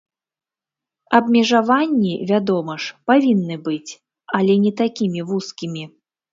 Абмежаванні, вядома ж, павінны быць, але не такімі вузкімі.